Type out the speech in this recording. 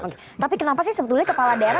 oke tapi kenapa sih sebetulnya kepala daerah